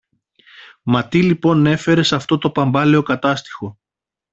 Μα τι λοιπόν έφερες αυτό το παμπάλαιο Κατάστιχο